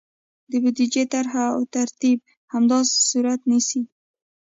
د بودیجې طرحه او ترتیب همداسې صورت نیسي.